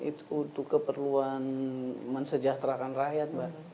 itu untuk keperluan mensejahterakan rakyat mbak